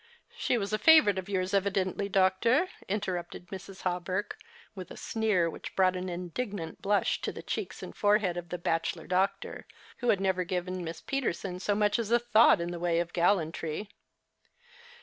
She was a favourite of yours, evidently, doctor," interrupted Mrs. Hawberk, with a sneer which brought an indignant blush to the cheeks and forehead of the bachelor doctor, who had never given Miss Peterson so much as a thought in the way of gallantry.